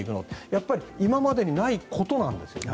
やっぱり今までにないことなんですよ。